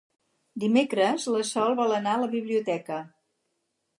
Dimecres na Sol vol anar a la biblioteca.